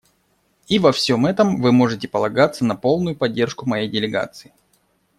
И во всем этом вы можете полагаться на полную поддержку моей делегации.